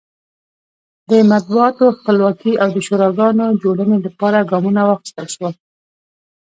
د مطبوعاتو خپلواکۍ او د شوراګانو جوړونې لپاره ګامونه واخیستل شول.